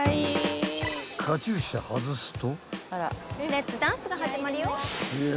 ［カチューシャ外すと］